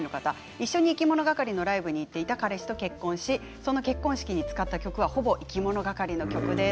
一緒にいきものがかりのライブに行っていた彼氏と結婚しその結婚式の曲に使った曲はほぼ、いきものがかりの曲です。